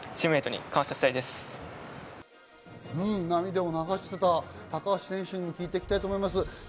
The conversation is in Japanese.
涙を流していた高橋選手にも聞いていきたいと思います。